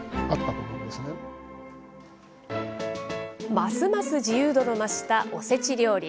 ますます自由度の増したおせち料理。